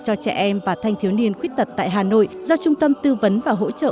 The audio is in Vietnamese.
cho trẻ em và thanh thiếu niên khuyết tật tại hà nội do trung tâm tư vấn và hỗ trợ